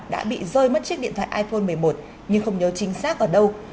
đã bị rơi mất chiếc điện thoại iphone một mươi một nhưng không nhớ chính xác ở đâu